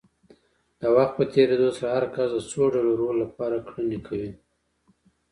د وخت په تېرېدو سره هر کس د څو ډوله رول لپاره کړنې کوي.